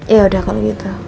ya udah kalau gitu